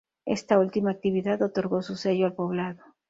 Esta última actividad otorgó su sello al poblado.